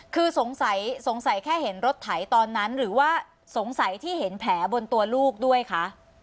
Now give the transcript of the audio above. คือสงสัยสงสัยแค่เห็นรถไถตอนนั้นหรือว่าสงสัยที่เห็นแผลบนตัวลูกด้วยคะ